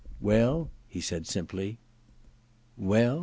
* Well ?' he said simply. * Well